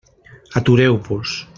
Atureu-vos!